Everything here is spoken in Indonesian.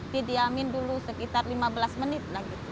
didiamin dulu sekitar lima belas menit